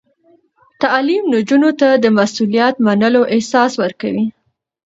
تعلیم نجونو ته د مسؤلیت منلو احساس ورکوي.